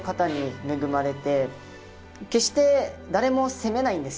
決して誰も責めないんですよ。